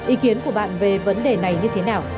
ý kiến của bạn về vấn đề này như thế nào